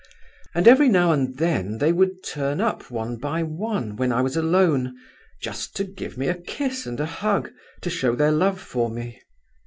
And every now and then they would turn up one by one when I was alone, just to give me a kiss and a hug, to show their love for me.